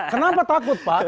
kenapa takut pak